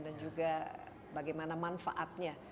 dan juga bagaimana manfaatnya